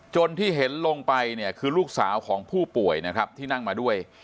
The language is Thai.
ที่เห็นลงไปเนี่ยคือลูกสาวของผู้ป่วยนะครับที่นั่งมาด้วย